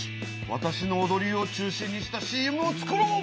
わたしのおどりを中心にしたＣＭを作ろう！